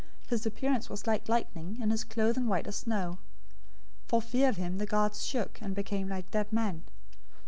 028:003 His appearance was like lightning, and his clothing white as snow. 028:004 For fear of him, the guards shook, and became like dead men.